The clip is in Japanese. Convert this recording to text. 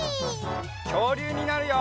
きょうりゅうになるよ！